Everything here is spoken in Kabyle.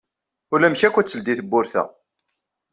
Ulamek akk ay teldi tewwurt-a.